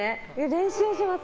練習します。